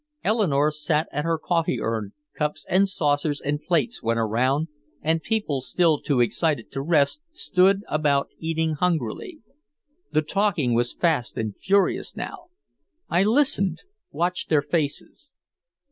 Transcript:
Eleanore sat at her coffee urn, cups and saucers and plates went around, and people still too excited to rest stood about eating hungrily. The talking was fast and furious now. I listened, watched their faces.